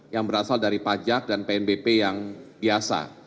yang berasal dari pajak dan pnbp yang biasa